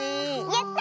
やった！